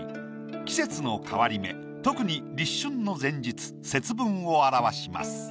季節の変わり目特に立春の前日節分を表します。